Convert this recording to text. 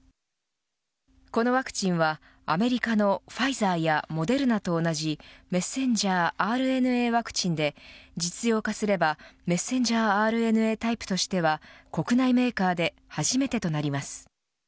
このワクチンはアメリカのファイザーやモデルナと同じｍＲＮＡワクチンで実用化すればｍＲＮＡタイプとしては国内メーカーで初めてとなります。